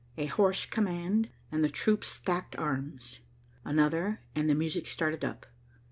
A hoarse command and the troops stacked arms; another and the music started up.